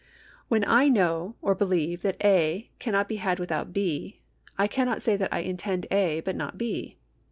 When I know or believe that A. cannot be had without B., I cannot say that I intend A. but not B.